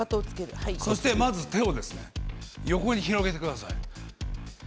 まず手を横に広げてください。